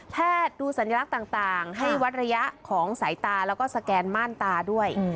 ดูสัญลักษณ์ต่างให้วัดระยะของสายตาแล้วก็สแกนม่านตาด้วย